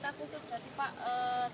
karena kan cukup unik ya pak ya